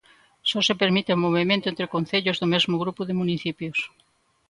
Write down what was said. Só se permite o movemento entre concellos do mesmo grupo de municipios.